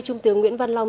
trung tướng nguyễn văn long